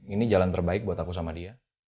ini jalan terbaik buat aku sama dia